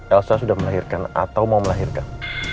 elsa sudah melahirkan atau mau melahirkan